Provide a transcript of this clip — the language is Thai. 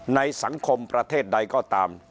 ในสังคมประเทศใดก็ตาม